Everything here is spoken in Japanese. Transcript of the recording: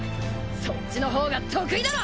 そっちの方が得意だろ！